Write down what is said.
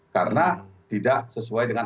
karena tidak sesuai dengan